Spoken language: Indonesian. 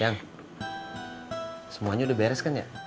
yang semuanya udah beres kan ya